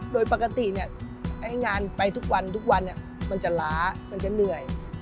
โดยปกติงานไปทุกวันทุกวันมันจะล้ามันจะเหนื่อย